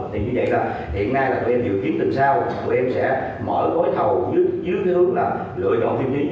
thì như vậy là hiện nay là tụi em dự kiến tình sao tụi em sẽ mở gói thầu dưới hướng là lựa chọn tiêu chí